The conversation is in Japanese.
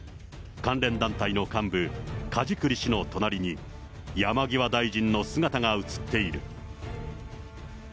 関連団体の幹部、梶栗氏の隣に山際大臣の姿が写っている。